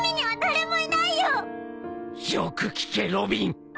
よく聞けロビン！